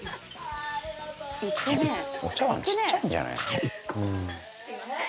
「お茶碗ちっちゃいんじゃないの？」